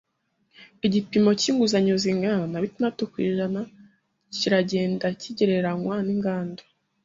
Igipimo cyinguzanyo zingana na bitandatu ku ijana kiragenda kigereranywa ninganda.